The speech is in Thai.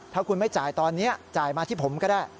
ถ้าคุณไม่จ่ายตอนนี้จ่ายมาที่ผมก็ได้